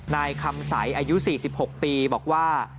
นายคำสัยอายุ๔๖ปีบอกว่า